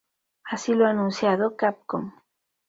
Así lo ha anunciado Capcom.